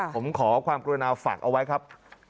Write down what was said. ผมขอความกลัวนาฟักเอาไว้ครับ